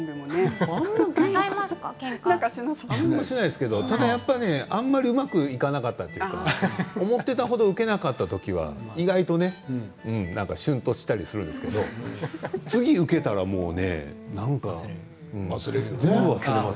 あんまりしないですけどあまりうまくいかなかったとき思っていたほどうけなかったときシュンとしたりするんですけど次にうけたらもうね。